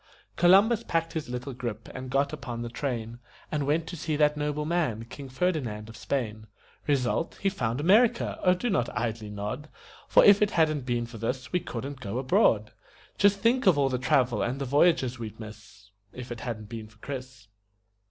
Columbus packed his little grip and got upon the train And went to see that noble man, King Ferdinand of Spain. Result: He found America oh, do not idly nod, For if it hadn't been for this we couldn't go abroad! Just think of all the travel and the voyages we'd miss If it hadn't been for Chris.